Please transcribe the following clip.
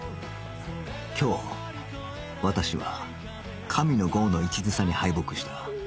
今日私は神野ゴウの一途さに敗北した